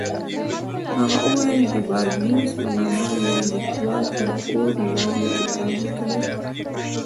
هغه وویل د باربیوس په نامه یوه لیکوال تر اور لاندې کتاب لیکلی.